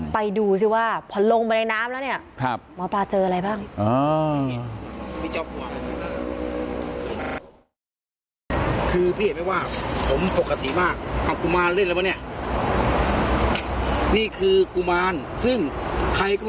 ไปดูซิว่าพอลงไปในน้ำแล้วเนี่ย